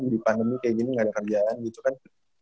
di pandemi kayak gini gak ada kerjaan gitu kan